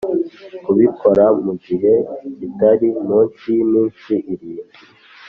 Kubikora mu gihe kitari munsi y iminsi irindwi